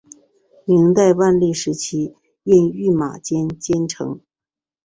明代万历时期任御马监监丞。